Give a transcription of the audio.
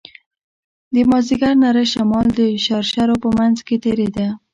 د مازديګر نرى شمال د شرشرو په منځ کښې تېرېده.